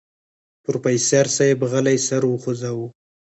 پروفيسر صيب غلی سر وخوځوه.